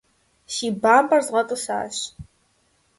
Си бампӀэр згъэтӀысащ.